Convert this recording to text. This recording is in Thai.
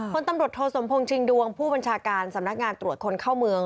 คนตำรวจโทสมพงษ์ชิงดวงผู้บัญชาการสำนักงานตรวจคนเข้าเมือง